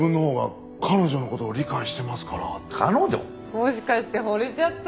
もしかして惚れちゃった？